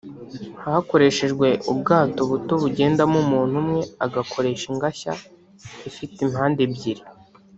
hakoreshejwe ubwato buto bugendamo umuntu umwe agakoresha ingashya ifite impande ebyiri